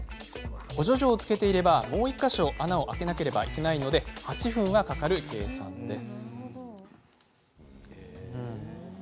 補助錠をつけていればもう１か所穴を開けないとならないので８分はかかる計算です。